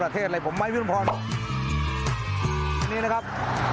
ทีนี้นะครับ